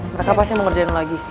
mereka pasti mau ngerjain lagi